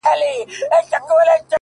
• یو عطار وو یو طوطي یې وو ساتلی,